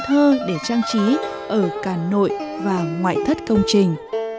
các công trình cũng được sử dụng thơ để trang trí ở cả nội và ngoại thất công trình